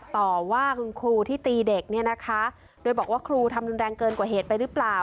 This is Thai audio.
ต่อว่าคุณครูที่ตีเด็กเนี่ยนะคะโดยบอกว่าครูทำรุนแรงเกินกว่าเหตุไปหรือเปล่า